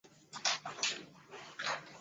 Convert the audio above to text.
还有数个多用途室供住客借用。